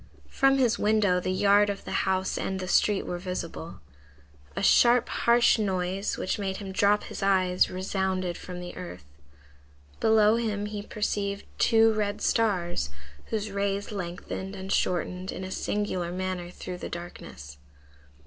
From his window the yard of the house and the street were visible. A sharp, harsh noise, which made him drop his eyes, resounded from the earth. Below him he perceived two red stars, whose rays lengthened and shortened in a singular manner through the darkness.